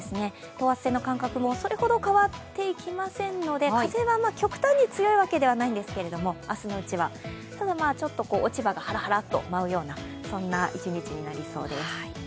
等圧線の間隔もそれほど変わっていきませんので風は極端に強いわけではないんですけれども、明日のうちは、ただ落ち葉がハラハラっと舞うようなそんな一日になりそうです。